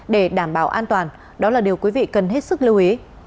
để đảm bảo an toàn đó là điều quý vị cần hết sức lưu ý